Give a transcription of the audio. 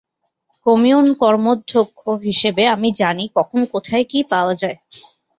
Commune কর্মধ্যক্ষ হিসেবে আমি জানি কখন কোথায় কি পাওয়া যায়।